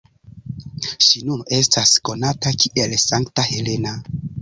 Ŝi nun estas konata kiel Sankta Helena.